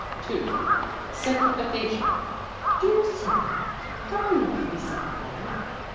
SIMPLIFICATION _Dear Sir How can life be simplified?